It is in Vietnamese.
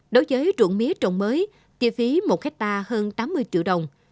đối với ruộng mía trồng mới chi phí một hectare hơn tám mươi triệu đồng